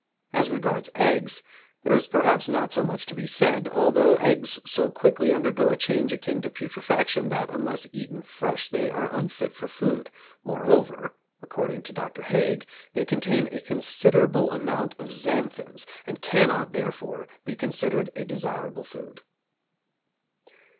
As regards eggs, there is perhaps not so much to be said, although eggs so quickly undergo a change akin to putrefaction that unless eaten fresh they are unfit for food; moreover, (according to Dr. Haig) they contain a considerable amount of xanthins, and cannot, therefore, be considered a desirable food.